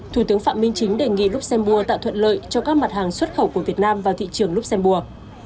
thủ tướng phạm minh chính đề nghị luxembourg tạo thuận lợi cho các mặt hàng xuất khẩu của việt nam vào thị trường luxembourg